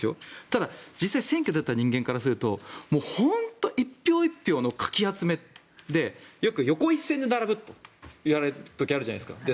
ただ実際選挙に立った人間からすると本当１票１票のかき集めでよく、横一線で並ぶといわれる時があるじゃないですか。